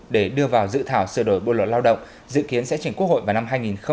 để đưa vào dự thảo sửa đổi bộ luật lao động dự kiến sẽ chỉnh quốc hội vào năm hai nghìn hai mươi